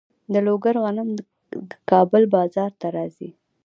د لوګر غنم د کابل بازار ته راځي.